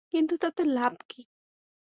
কিন্তু তাতে লাভ কী?